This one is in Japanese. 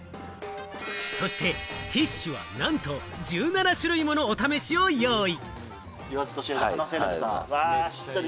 そしてティッシュは、なんと１７種類ものお試しを用意。